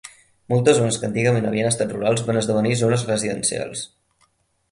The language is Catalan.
Moltes zones que antigament havien estat rurals van esdevenir zones residencials.